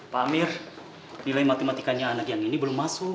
pak amir nilai matematikanya anak yang ini belum masuk